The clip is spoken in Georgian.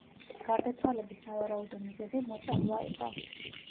გარდაცვალების სავარაუდო მიზეზი მოწამვლა იყო.